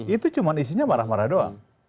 itu cuma isinya marah marah doang